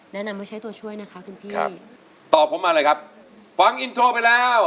แนะนำไว้ใช้ตัวช่วยนะคะคุณพี่ตอบผมมาเลยครับฟังอินโทรไปแล้ว